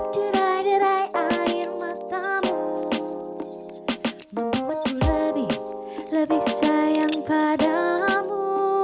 derai derai air matamu membuatku lebih lebih sayang padamu